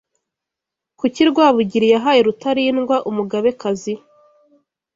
kuki Rwabugili yahaye Rutalindwa umugabekazi,